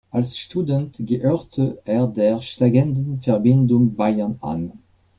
Als Student gehörte er der schlagenden Verbindung „Bayern“ an.